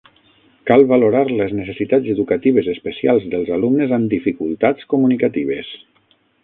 Cal valorar les necessitats educatives especials dels alumnes amb dificultats comunicatives.